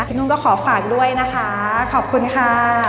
นุ่งก็ขอฝากด้วยนะคะขอบคุณค่ะ